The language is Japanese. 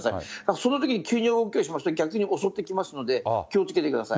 そのときに急な動きをしますと、逆に襲ってきますので、気をつけてください。